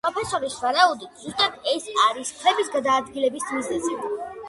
პროფესორის ვარაუდით, ზუსტად ეს არის ქვების გადაადგილების მიზეზი.